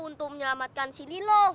untuk menyelamatkan si lilo